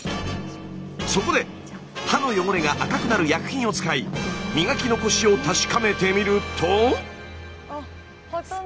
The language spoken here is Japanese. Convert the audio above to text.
そこで歯の汚れが赤くなる薬品を使い磨き残しを確かめてみると。